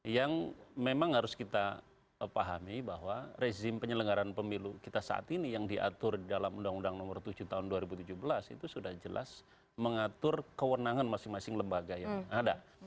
yang memang harus kita pahami bahwa rezim penyelenggaran pemilu kita saat ini yang diatur dalam undang undang nomor tujuh tahun dua ribu tujuh belas itu sudah jelas mengatur kewenangan masing masing lembaga yang ada